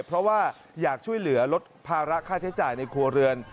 เพราะว่าอยากช่วยเหลือลดภาระค่าใช้จ่ายในครัวเรือน